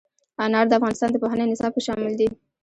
انار د افغانستان د پوهنې نصاب کې شامل دي.